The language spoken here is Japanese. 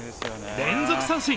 連続三振！